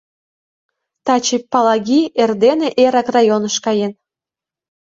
Таче Палаги эрдене эрак районыш каен.